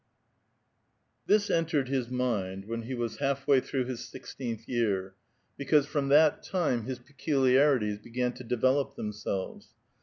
This entered his mind when he was half way through his sixteenth year, because from that time his peculiarities began to develop themselves.